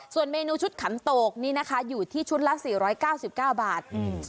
ส่วนเมนูชุดขันโตกนี่นะคะอยู่ที่ชุดละสี่ร้อยเก้าสิบเก้าบาทอืม